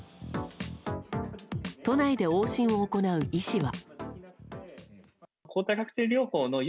都内で往診を行う医師は。